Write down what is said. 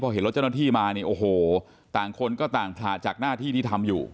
เห็นรถเจ้าหน้าที่มาเนี่ยโอ้โหต่างคนก็ต่างผลาจากหน้าที่ที่ทำอยู่